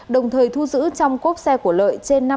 đồng thời thu giữ trong cốp xe của lợi trên năm trăm linh